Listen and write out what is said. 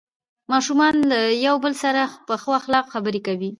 ماشومان له یو بل سره په ښو اخلاقو خبرې کوي